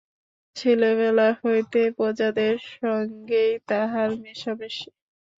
ছেলেবেলা হইতে প্রজাদের সঙ্গেই তাহার মেশামেশি।